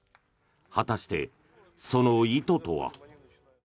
果たして、その意図とは。